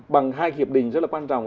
bằng hai hiệp định rất là quan trọng